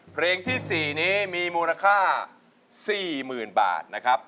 เพลงที่๔นี้มีมูลค่า๔๐๐๐บาทนะครับ